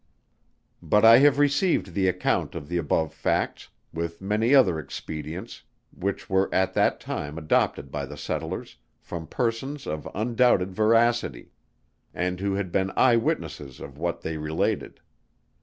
But I have received the account of the above facts, with many other expedients which were at that time adopted by the settlers, from persons of undoubted veracity, and who had been eye witnesses of what they related.